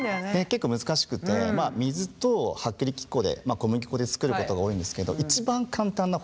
結構難しくて水と薄力粉でまあ小麦粉で作ることが多いんですけど一番簡単な方法は。